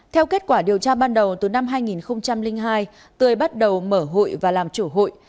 theo kết quả điều tra ban đầu từ năm hai nghìn hai tươi bắt đầu mở hội và làm chủ hội